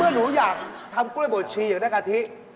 เอางี้นี่ตัว